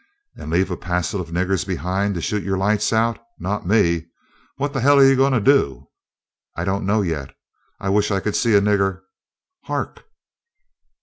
"And leave a pa'cel of niggers behind to shoot your lights out? Not me." "What the hell are you going to do?" "I don't know yet." "I wish I could see a nigger." _"Hark!"